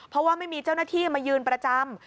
เพราะว่าไม่มีเจ้าหน้าที่มายืนประจำ